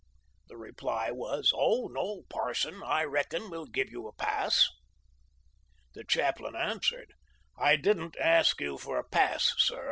" The reply was :" Oh, 110, par son ; I reckon we'll give you a pass." The chaplain answered :" I didn't ask you for a pass, sir.